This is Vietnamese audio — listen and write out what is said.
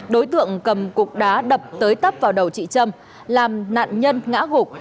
đối tượng cầm cục đá đập tới tấp vào đầu chị trâm làm nạn nhân ngã gục